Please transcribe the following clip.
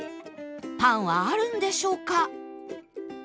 パンはあるんでしょうか？